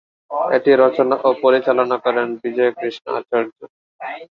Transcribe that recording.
এটি রচনা ও পরিচালনা করেন বিজয় কৃষ্ণ আচর্য।